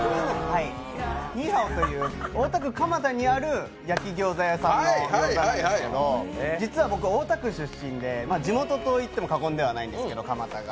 ニイハオという大田区蒲田にある焼餃子屋さんの餃子なんですけど実は僕大田区出身で地元と言っても過言では亡いんですけど、蒲田が。